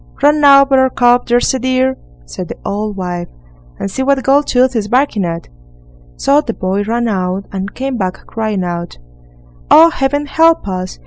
"Run out, Buttercup, there's a dear!" said the old wife, "and see what Goldtooth is barking at." So the boy ran out, and came back crying out: "Oh, Heaven help us!